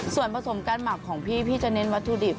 ส่วนผสมการหมักของพี่พี่จะเน้นวัตถุดิบ